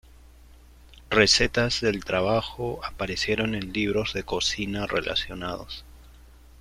Recetas del trabajo aparecieron en libros de cocina relacionados.